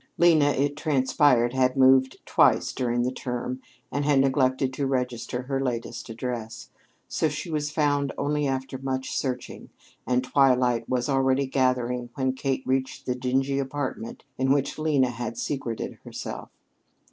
Lena, it transpired, had moved twice during the term and had neglected to register her latest address. So she was found only after much searching, and twilight was already gathering when Kate reached the dingy apartment in which Lena had secreted herself.